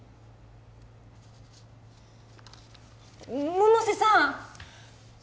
百瀬さんっ